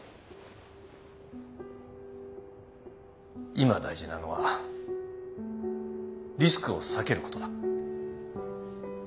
今大事なのはリスクを避けることだ。